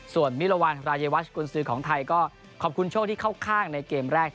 ส่วนมิรวรรณรายวัชกุญสือของไทยก็ขอบคุณโชคที่เข้าข้างในเกมแรก